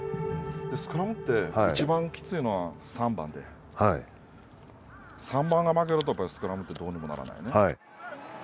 スクラムっていちばんきついのは３番で３番が負けるとやっぱりスクラムってどうにもならないね。